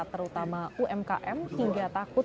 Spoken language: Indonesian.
terutama umkm hingga takut